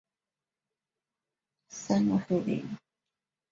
三陲黑岭。